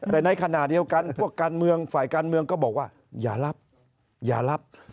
แต่ในขณะเดียวกันพวกการเมืองฝ่ายการเมืองก็บอกว่าอย่ารับอย่ารับ